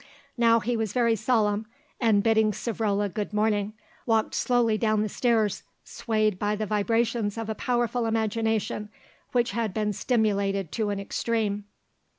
Now he was very solemn, and bidding Savrola good morning, walked slowly down the stairs, swayed by the vibrations of a powerful imagination which had been stimulated to an extreme.